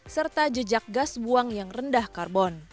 serta jejak gas buang yang rendah karbon